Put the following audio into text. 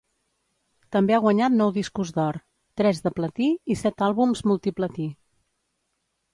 També ha guanyat nou discos d'or, tres de platí i set àlbums multi-platí.